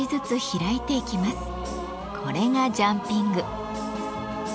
これがジャンピング。